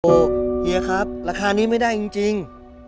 เฮียครับราคานี้ไม่ได้จริง